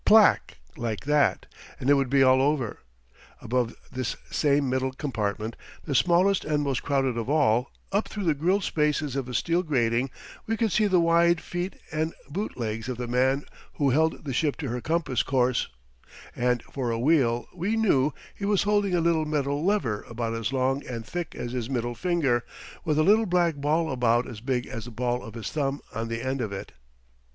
Plack! like that and it would be all over. Above this same middle compartment, the smallest and most crowded of all, up through the grilled spaces of a steel grating, we could see the wide feet and boot legs of the man who held the ship to her compass course; and for a wheel, we knew, he was holding a little metal lever about as long and thick as his middle finger, with a little black ball about as big as the ball of his thumb on the end of it.